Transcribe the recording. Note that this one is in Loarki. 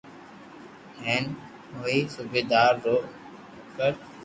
ھين وئي صوبيدار رو نو ر